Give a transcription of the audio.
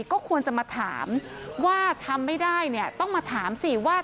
ก็ควรจะมาถามว่าทำไม่ได้เนี่ยต้องมาถามสิว่า